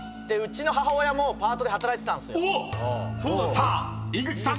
［さあ井口さん］